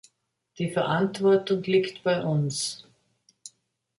Die Verantwortung liegt bei uns.